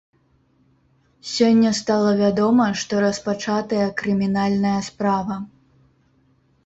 Сёння стала вядома, што распачатая крымінальная справа.